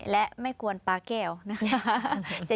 และไม่กวนปลาแก้วนะคะ